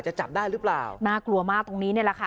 จะจับได้หรือเปล่าน่ากลัวมากตรงนี้เนี่ยแหละค่ะ